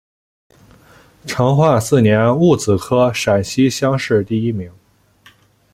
成化四年戊子科陕西乡试第一名。